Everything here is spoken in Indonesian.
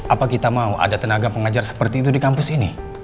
apa kita mau ada tenaga pengajar seperti itu di kampus ini